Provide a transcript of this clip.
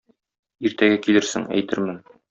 Иртәгә килерсең, әйтермен.